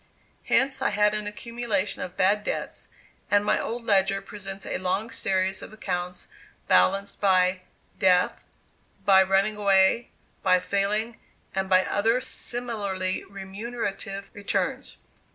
Hence I had an accumulation of bad debts; and my old ledger presents a long series of accounts balanced by "death," by "running away," by "failing," and by other similarly remunerative returns.